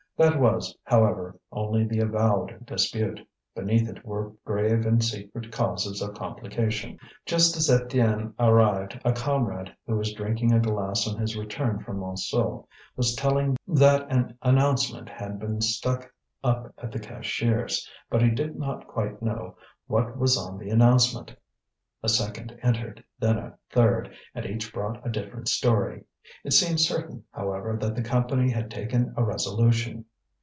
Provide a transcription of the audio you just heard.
That was, however, only the avowed dispute; beneath it there were grave and secret causes of complication. Just as Étienne arrived, a comrade, who was drinking a glass on his return from Montsou, was telling that an announcement had been stuck up at the cashier's; but he did not quite know what was on the announcement. A second entered, then a third, and each brought a different story. It seemed certain, however, that the Company had taken a resolution.